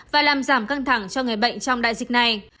và làm giảm căng thẳng cho người bệnh trong đại dịch này